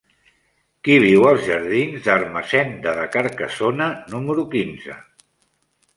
Qui viu als jardins d'Ermessenda de Carcassona número quinze?